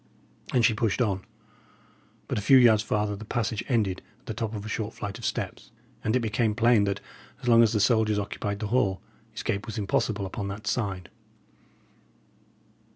And she pushed on. But a few yards farther the passage ended at the top of a short flight of steps; and it became plain that, as long as the soldiers occupied the hall, escape was impossible upon that side.